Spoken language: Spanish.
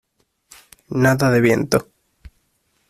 nada de viento.